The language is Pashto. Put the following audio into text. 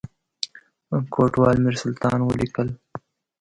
کوټوال میرسلطان ولیکل.